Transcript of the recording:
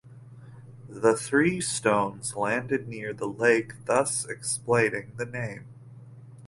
The three stones landed near the lake thus explaining the name.